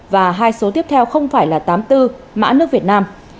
và hai số tiếp theo không phải là tám mươi bốn mã nước việt nam